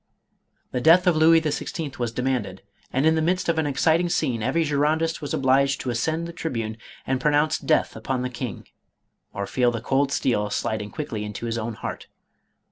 The death of Louis XVI. was demanded, and in the midst of an exciting scene every Girondist was obliged to ascend the tribune and pronounce " death" upon the king, or feel the cold steel sliding quickly into his own heart.